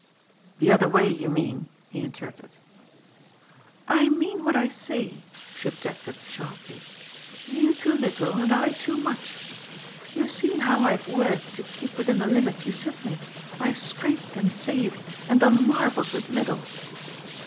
" The other way, you mean," he interrupted. "I mean what I say," she objected sharply. "You too little, and I too much. You have seen how I have worked to keep within the limits you set me. I have scraped and saved, and done marvels with little."